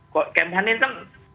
kementerian pertahanan ini kan